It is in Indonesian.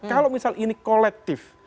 kalau misalnya ini kolektif